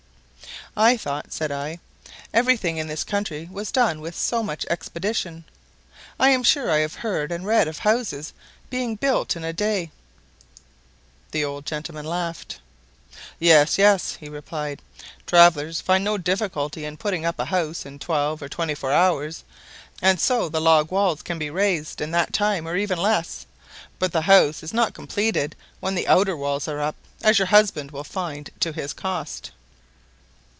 "I thought," said I, "every thing in this country was done with so much expedition. I am sure I have heard and read of houses being built in a day." The old gentleman laughed. "Yes, yes," he replied, "travellers find no difficulty in putting up a house in twelve or twenty four hours, and so the log walls can be raised in that time or even less; but the house is not completed when the outer walls are up, as your husband will find to his cost."